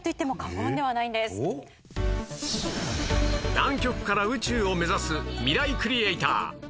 南極から宇宙を目指すミライクリエイター